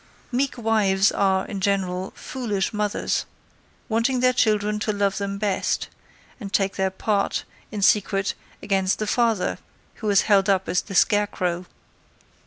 Meek wives are, in general, foolish mothers; wanting their children to love them best, and take their part, in secret, against the father, who is held up as a scarecrow.